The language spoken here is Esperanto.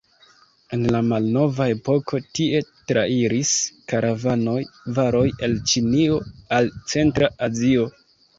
En la malnova epoko, tie trairis karavanoj, varoj el Ĉinio al Centra Azio.